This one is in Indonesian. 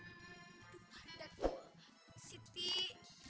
kalau mau pipis enggak boleh gitu ya